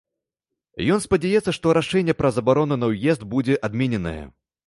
Ён спадзяецца, што рашэнне пра забарону на ўезд будзе адмененае.